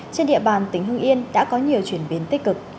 trên địa bàn tp hương yên đã có nhiều chuyển biến tích cực